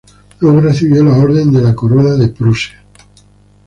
Luego, recibió la Orden de la Corona de Prusia.